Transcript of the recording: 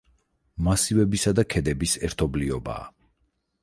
მასივებისა და ქედების ერთობლიობაა.